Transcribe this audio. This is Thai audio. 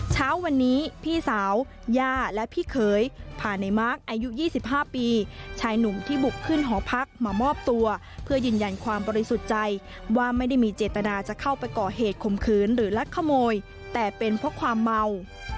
เช้าวันนี้พี่สาวย่าและพี่เคยพาในมาร์คอายุ๒๕ปีชายหนุ่มที่บุกขึ้นหอพักมามอบตัวเพื่อยืนยันความบริสุทธิ์ใจว่าไม่ได้มีเจตนาจะเข้าไปก่อเหตุคมคืนหรือลักขโมยแต่เป็นเพราะความเมา